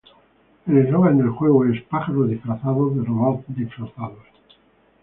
El eslogan del juego es "Pájaros Disfrazados de Robots Disfrazados".